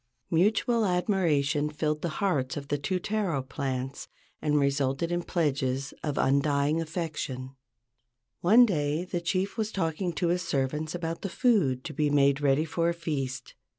Mutual admiration KALO EKE EKE, THE TIMID TARO 27 filled the hearts of the two taro * plants and re¬ sulted in pledges of undying affection. One day the chief was talking to his servants about the food to be made ready for a feast.